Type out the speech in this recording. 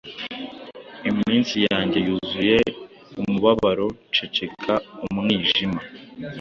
Iminsi yanjye yuzuye umubabaro, ceceka, umwijima!